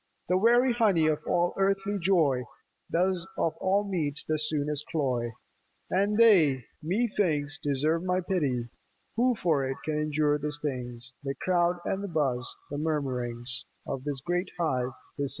The very honey of all earthly joy Does, of all meats, the soonest cloy ; And they, methinks, deserve my pity Who for it can endure the stings, The crowd and buzz and murmurings Of this great hive, the city